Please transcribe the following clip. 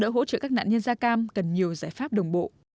hỗ trợ các nạn nhân da cam cần nhiều giải pháp đồng bộ